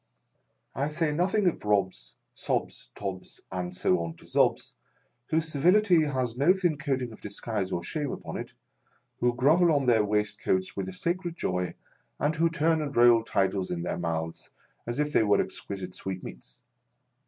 " I say nothing of Robbs, Sobbs, Tobbs, and so on to Zobbs, whose servility has no thin coating of disguise or shame upon it, who grovel on their waistcoats with a sacred joy, and who turn and roll titles in their mouths as if they were exquisite 'sweetmeats.